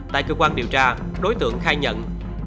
tại cơ quan điều tra đối tượng khai nhận